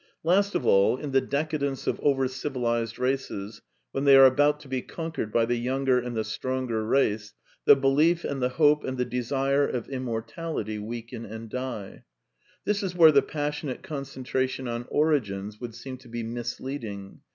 Last of all, in the decadence of over civilized races, when they are about to be conquered by the younger and the stronger race, the belief and the hope and the desire of immortality weaken and die. This is where the passionate concentration on origins would seem to be misleading.